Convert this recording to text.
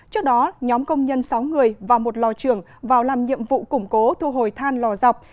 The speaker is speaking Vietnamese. trước đó nhóm công nhân sáu người vào một lò trường vào làm nhiệm vụ củng cố thu hồi than lò dọc